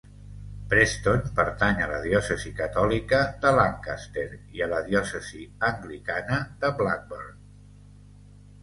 Preston pertany a la diòcesi catòlica de Lancaster i a la diòcesi anglicana de Blackburn.